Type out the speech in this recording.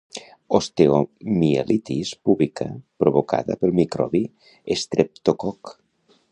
Osteomielitis púbica provocada pel microbi estreptococ.